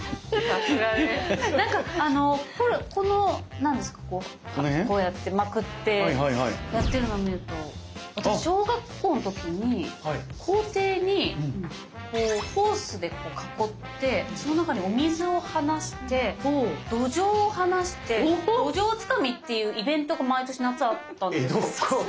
なんかこの何ですかこうこうやってまくってやってるのを見ると私小学校の時に校庭にこうホースで囲ってその中にお水を放してどじょうを放して「どじょうつかみ」っていうイベントが毎年夏あったんですけど。